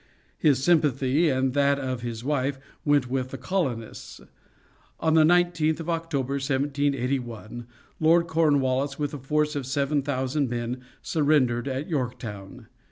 His sympathy, and that of his wife, went with the colonists. On the 19th of October, 1781, Lord Cornwallis, with a force of seven thousand men, surrendered at Yorktown.